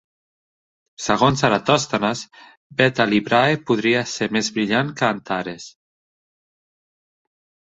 Segons Eratòstenes, Beta Librae podria ser més brillant que Antares.